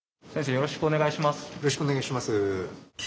よろしくお願いします。